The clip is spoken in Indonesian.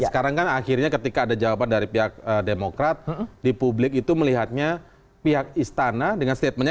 sekarang kan akhirnya ketika ada jawaban dari pihak demokrat di publik itu melihatnya pihak istana dengan statementnya